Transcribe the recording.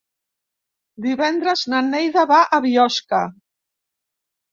Divendres na Neida va a Biosca.